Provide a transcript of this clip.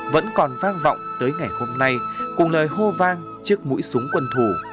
vẫn còn vang vọng tới ngày hôm nay cùng lời hô vang chiếc mũi súng quân thủ